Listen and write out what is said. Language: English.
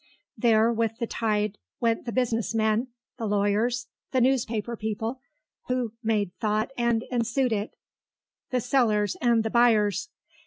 There with the tide went the business men, the lawyers, the newspaper people, who made thought and ensued it, the sellers and the buyers.